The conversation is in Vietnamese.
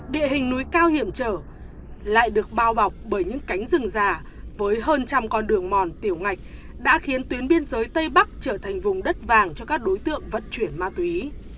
địa hình núi cao hiểm trở lại được bao bọc bởi những cánh rừng già với hơn trăm con đường mòn tiểu ngạch đã khiến tuyến biên giới tây bắc trở thành vùng đất vàng cho các đối tượng vận chuyển ma túy